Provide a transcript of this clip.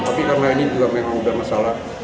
tapi karena ini juga memang sudah masalah